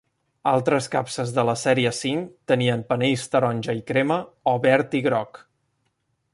Altres capses de la sèrie V tenien panells taronja i crema o verd i groc.